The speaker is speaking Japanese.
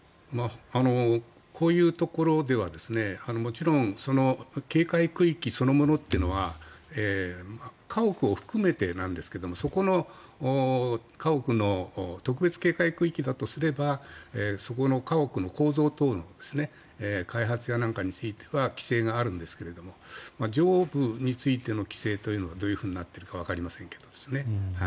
こういうところではもちろん警戒区域そのものっていうのは家屋を含めてなんですけれどもそこの家屋の特別警戒区域だとすればそこの家屋の構造等の開発や何かについては規制があるんですが上部についての規制というのがどういうふうになっているかわかりませんけどですね。